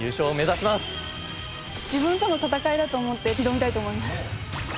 自分との戦いだと思って挑みたいと思います。